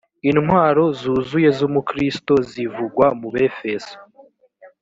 intwaro zuzuye z’umukristo zivugwa mu befeso